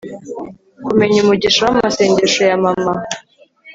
Kumenya umugisha wamasengesho ya Mama